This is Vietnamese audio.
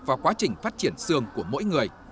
vào quá trình phát triển xương của mỗi người